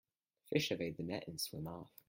Fish evade the net and swim off.